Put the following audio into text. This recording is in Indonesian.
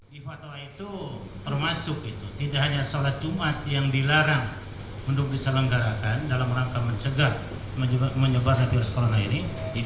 di fatwa itu termasuk tidak hanya sholat jumat yang dilarang untuk diselenggarakan dalam rangka mencegah menyebar virus corona ini